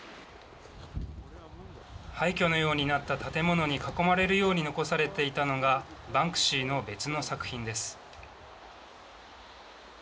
廃虚のようになった建物に囲まれるように残されていたのがバンクシーの別の作品です。